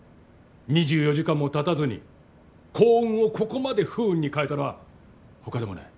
２４時間も経たずに幸運をここまで不運に変えたのは他でもない。